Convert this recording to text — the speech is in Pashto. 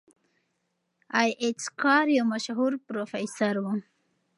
ای اېچ کار یو مشهور پروفیسور و.